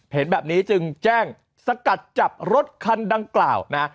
เห็นแบบนี้จึงแจ้งสกัดจับรถคันดังกล่าวนะ